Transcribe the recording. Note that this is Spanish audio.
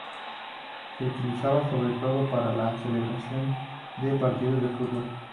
Se utiliza sobre todo para la celebración de partidos de fútbol.